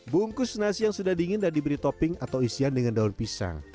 bungkus nasi yang sudah dingin dan diberi topping atau isian dengan daun pisang